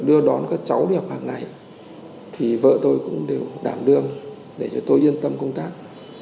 đưa đón các cháu đi học hàng ngày thì vợ tôi cũng đều đảm đương để cho tôi yên tâm công tác